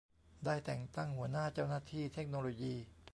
ได้แต่งตั้งหัวหน้าเจ้าหน้าที่เทคโนโลยี